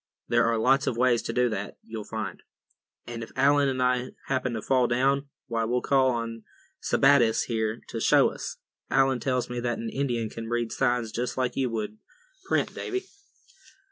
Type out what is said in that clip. There are lots of ways to do that, you'll find; and if Allan and I happen to fall down, why, we'll call on Sebattis here to show us. Allan tells me that an Indian can read signs just like you would print, Davy."